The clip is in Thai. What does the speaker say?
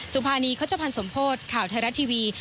สุภานีคพันธ์สมโพธิ์ข่าวไทยรัตน์ทีวี